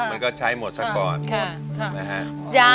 มันก็ใช้หมดซะก่อนใช่ใช่ใช่ใช่ใช่ใช่ใช่ใช่